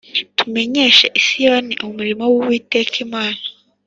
tumenyeshe i Siyoni umurimo w’Uwiteka Imana